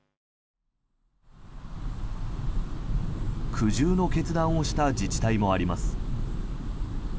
苦渋の決断をした自治体もあります。